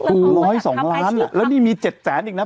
อุ้ย๒ร้านแล้วนี่มี๗แสนอีกนะ